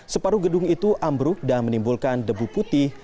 separuh gedung itu ambruk dan menimbulkan debu putih